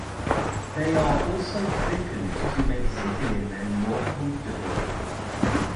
They are also thickened to make sitting in them more comfortable.